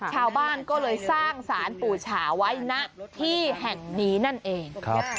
ชาวบ้านก็เลยสร้างสารปู่ฉาไว้ณที่แห่งนี้นั่นเอง